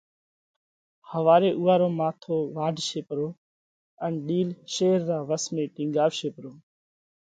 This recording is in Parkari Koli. ۿواري اُوئا رو ماٿو واڍشي پرو ان ڏِيل شير را وس ۾ ٽِينڳاوَشي پرو.